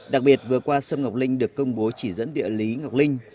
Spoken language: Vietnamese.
đặc biệt vừa qua sâm ngọc linh được công bố chỉ dẫn địa lý ngọc linh